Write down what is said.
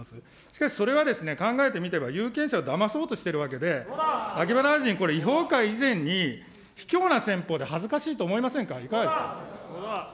しかしそれは、考えてみれば、有権者をだまそうとしているわけで、秋葉大臣、これ、違法か以前に、ひきょうな戦法で、恥ずかしいと思いませんか。